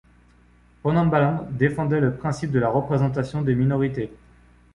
Ponnambalam défendait le principe de la représentation des minorités.